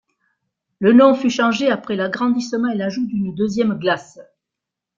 Le nom fut changé après l'agrandissement et l'ajout d'une deuxième glace.